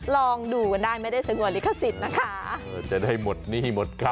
ลองดูกันได้ไม่ได้สงวนลิขสิทธิ์นะคะจะได้หมดหนี้หมดค่า